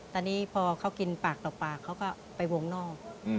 ตอนนี้พอเขากินปากต่อปากเขาก็ไปวงนอก